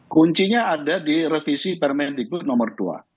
kuncinya ada di revisi permendikbud nomor dua